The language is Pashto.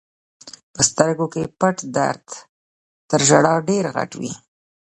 په سترګو کې پټ درد تر ژړا ډېر غټ وي.